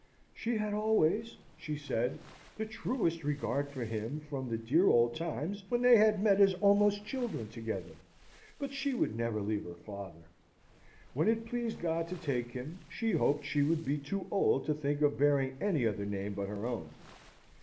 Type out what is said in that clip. "She had always," she said, "the truest regard for him from the dear old times when they had met as almost children together. But she would never leave her father. When it pleased God to take him, she hoped she would be too old to think of bearing any other name but her own.